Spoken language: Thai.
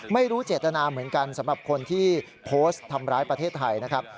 ไม่รู้เจตนาเหมือนกันสำหรับคนที่โพสต์ทำร้ายประเทศไทยนะครับ